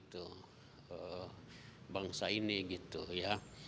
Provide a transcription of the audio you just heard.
untuk bangsa ini gitu ya